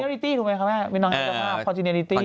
คอลจิเนอริตี้ถูกไหมครับแม่มีมิตรภาพคอลจิเนอริตี้